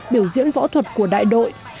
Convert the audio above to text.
biểu diễn võ thuật của đại đội